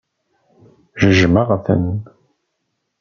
Jjmeɣ-ten.